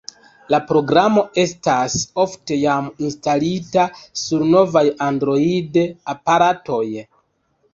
La programo estas ofte jam instalita sur novaj Android-aparatoj.